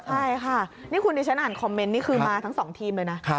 ใช่ค่ะนี่คุณดิฉันอ่านคอมเมนต์นี่คือมาทั้ง๒ทีมเลยนะ